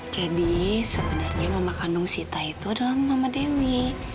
jadi sebenarnya mama kandung sita itu adalah mama dewi